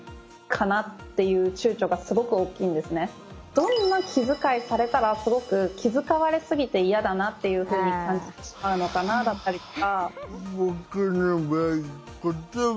どんな気遣いされたらすごく気遣われ過ぎてイヤだなっていうふうに感じてしまうのかなだったりとか。